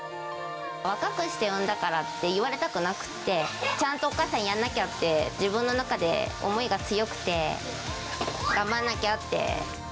若くして産んだからって言われたくなくって、ちゃんとお母さんやんなきゃって、自分の中で思いが強くて、頑張らなきゃって。